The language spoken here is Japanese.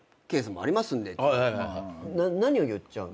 何を言っちゃうの？